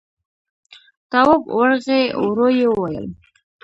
تواب ورغی، ورو يې وويل: